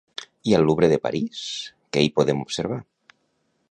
I al Louvre de París què hi podem observar?